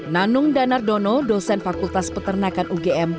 nanung danardono dosen fakultas peternakan ugm